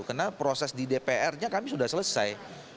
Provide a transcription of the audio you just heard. karena proses di dpr nya kami sudah selesai